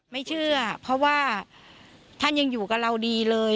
ไม่เชื่อเพราะว่าท่านยังอยู่กับเราดีเลย